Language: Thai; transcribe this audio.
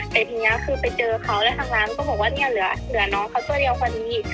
แต่ทีนี้คือไปเจอเขาแล้วทางร้านเขาก็บอกว่าเหลือน้องเขาก็เดียวกว่านี้